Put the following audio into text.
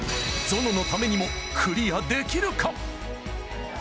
ゾノのためにもクリアできるか！？